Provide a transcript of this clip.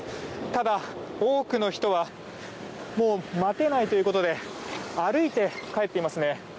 ただ、多くの人はもう待てないということで歩いて帰っていますね。